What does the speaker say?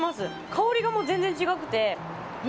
香りがもう全然違くて。